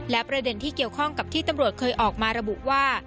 และประเด็นที่เกี่ยวข้องกับที่ตำรวจเคยออกมาระบุว่า